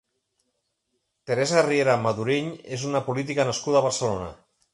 Teresa Riera Madurell és una política nascuda a Barcelona.